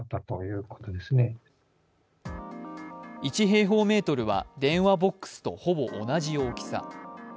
１平方メートルは電話ボックスとほぼ同じ大きさ。